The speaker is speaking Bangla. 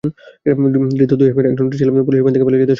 ধৃত দুই আসামির একজন ত্রিশালে পুলিশের ভ্যান থেকে পালিয়ে যেতে সক্ষম হন।